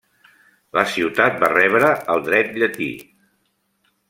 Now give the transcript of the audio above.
La ciutat va rebre el dret llatí.